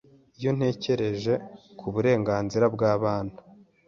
iyo ntekereje ku burenganzira bw’abana